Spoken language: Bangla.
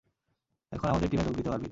এখন আমাদের টিমে যোগ দিতে পারবি।